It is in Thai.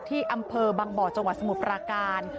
ที่อำเภอบางบ่อจังหวัดสมุทรปราการ